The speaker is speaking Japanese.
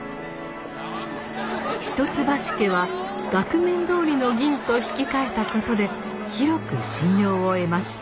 一橋家は額面どおりの銀と引き換えたことで広く信用を得ました。